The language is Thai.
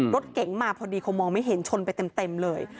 รถเก๋งมาพอดีคงมองไม่เห็นชนไปเต็มเลย